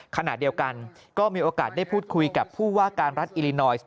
ขณะเดียวกันก็มีโอกาสได้พูดคุยกับผู้ว่าการรัฐอิลินอยซ์